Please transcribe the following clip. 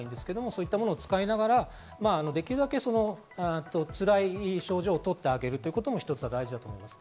そういったものを使いながらできるだけつらい症状を取ってあげることも一つ大事だと思います。